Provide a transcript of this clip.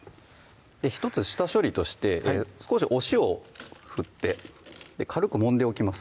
１つ下処理として少しお塩を振って軽くもんでおきます